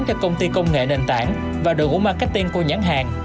cho công ty công nghệ nền tảng và đội ngũ marketing của nhãn hàng